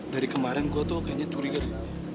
dari kemarin gue tuh kayaknya curiga deh